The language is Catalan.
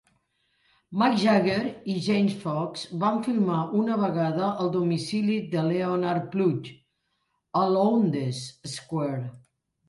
Mick Jagger i James Fox van filmar una vegada al domicili de Leonard Plugge, a Lowndes Square.